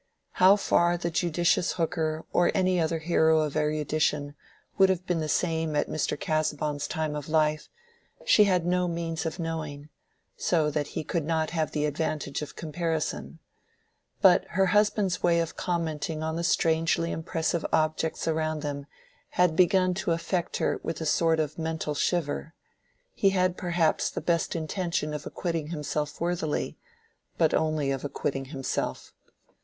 How far the judicious Hooker or any other hero of erudition would have been the same at Mr. Casaubon's time of life, she had no means of knowing, so that he could not have the advantage of comparison; but her husband's way of commenting on the strangely impressive objects around them had begun to affect her with a sort of mental shiver: he had perhaps the best intention of acquitting himself worthily, but only of acquitting himself.